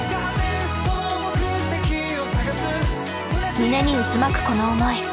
胸に渦巻くこの思い。